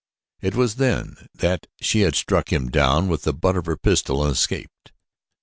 It was then that she had struck him down with the butt of her pistol and escaped.